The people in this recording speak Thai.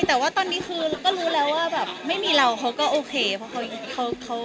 แต่ว่าตอนนี้ครับรู้แล้วว่าไม่มีเราเขาก็โอเค